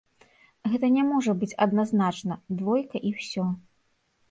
Гэта не можа быць адназначна, двойка і ўсё.